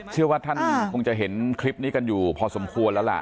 เชื่อว่าท่านคงจะเห็นคลิปนี้กันอยู่พอสมควรแล้วล่ะ